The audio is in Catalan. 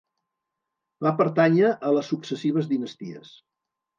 Va pertànyer a les successives dinasties.